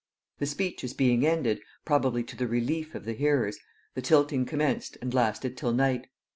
The speeches being ended, probably to the relief of the hearers, the tilting commenced and lasted till night.